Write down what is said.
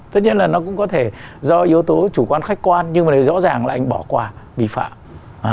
tất nhiên là nó cũng có thể do yếu tố chủ quan khách quan nhưng mà rõ ràng là anh bỏ qua vi phạm